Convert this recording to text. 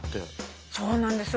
そうなんですよ